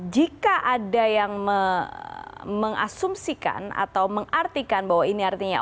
jika ada yang mengasumsikan atau mengartikan bahwa ini artinya